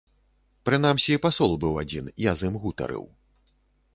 Прынамсі пасол быў адзін, я з ім гутарыў.